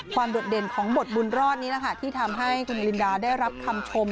โดดเด่นของบทบุญรอดนี้แหละค่ะที่ทำให้คุณนาลินดาได้รับคำชม